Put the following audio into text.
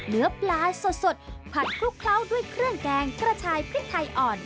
เนื้อปลาสดผัดคลุกเคล้าด้วยเครื่องแกงกระชายพริกไทยอ่อน